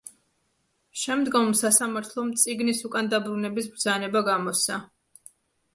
შემდგომ სასამართლომ წიგნის უკან დაბრუნების ბრძანება გამოსცა.